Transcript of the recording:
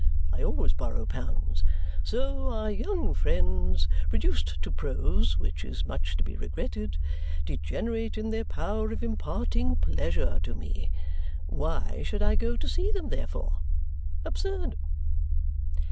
I always borrow pounds. So our young friends, reduced to prose (which is much to be regretted), degenerate in their power of imparting pleasure to me. Why should I go to see them, therefore? Absurd!"